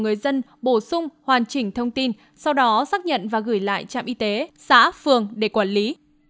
người dân bổ sung hoàn chỉnh thông tin sau đó xác nhận và gửi lại trạm y tế xã phường để quản lý